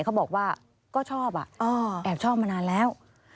เขาบอกว่าก็ชอบแอบชอบมานานแล้ว